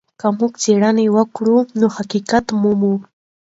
که موږ څېړنه وکړو نو حقيقت مومو.